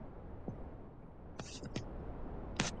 Freeman was born in Penang.